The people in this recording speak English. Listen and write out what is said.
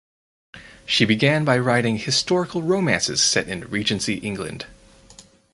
She began by writing historical romances set in Regency England.